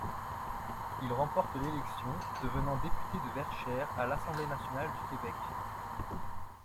Il remporte l'élection, devenant député de Verchères à l'Assemblée nationale du Québec.